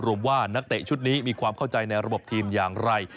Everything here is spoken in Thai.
ว่านักเตะชุดนี้มีความเข้าใจในระบบทีมอย่างไร